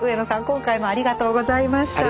今回もありがとうございました。